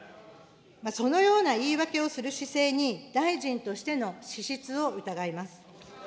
そのような言い訳をする姿勢に大臣としての資質を疑います。